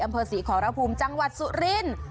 อำเภอศรีขอรภูมิจังหวัดสุรินทร์